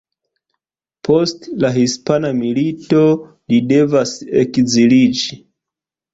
Post la hispana milito, li devas ekziliĝi.